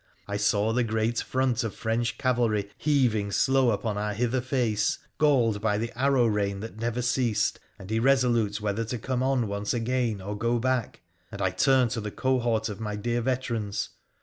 I saw the great front of French cavalry heaving slow upon our hither face, jailed by the arrow rain that never ceased, and irresolute whether to come on once again or go back, and I turned to the johort of my dear veterans.